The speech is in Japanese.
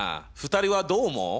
２人はどう思う？